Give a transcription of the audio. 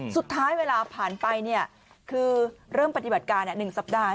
สุดท้ายเวลาผ่านไปคือเริ่มปฏิบัติการ๑สัปดาห์